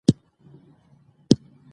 تعلیم د فقر په له منځه وړلو کې کارول کېږي.